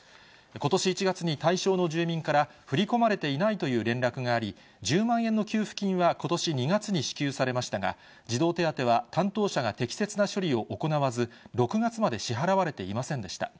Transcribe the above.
ことし１月に対象の住民から、振り込まれていないという連絡があり、１０万円の給付金はことし２月に支給されましたが、児童手当は、担当者が適切な処理を行わず、６月まで支払われていませんでした。